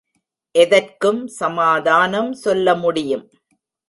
எதற்கும் சமாதானம் சொல்லமுடியும்.